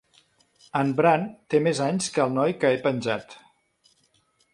En Bran té més anys que el noi que he penjat.